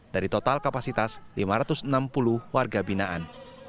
dari total kapasitas lima ratus enam puluh warga binaan